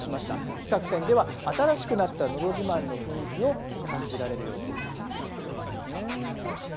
企画展では、新しくなったのど自慢の雰囲気を感じられるようになっていますね。